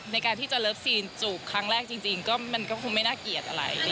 ในการที่จะเลิฟซีนจูบครั้งแรกจริงก็มันก็คงไม่น่าเกลียดอะไร